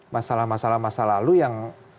masalah masalah masa lalu yang